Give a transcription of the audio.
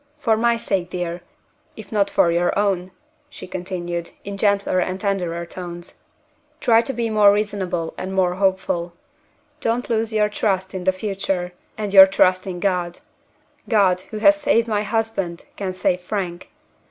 For my sake, dear, if not for your own," she continued, in gentler and tenderer tones, "try to be more reasonable and more hopeful. Don't lose your trust in the future, and your trust in God. God, who has saved my husband, can save Frank.